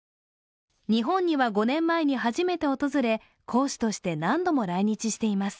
日本には５年前に初めて訪れ講師として何度も来日しています。